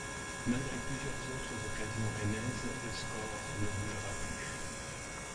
Malgré plusieurs autres occasions rennaises, le score ne bougera plus.